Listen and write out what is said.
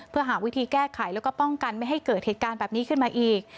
เพื่อหาวิธีแก้ไขแล้วก็ป้องกันไม่ให้เกิดเหตุการณ์แบบนี้ขึ้นมาอีก